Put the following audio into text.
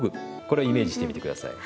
これをイメージしてみて下さい。